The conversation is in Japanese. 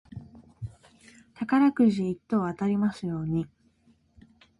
宝くじ一等当たりますように。